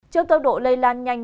trong tốc độ lây lan nhanh